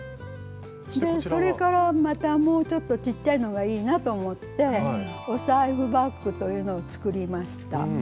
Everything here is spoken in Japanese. でそれからまたもうちょっとちっちゃいのがいいなと思って「お財布バッグ」というのを作りました。